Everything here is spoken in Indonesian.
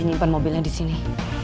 nyimpen mobilnya disini